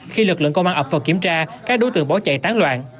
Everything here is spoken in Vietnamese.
khi lực lượng công an ập vào kiểm tra các đối tượng bỏ chạy tán loạn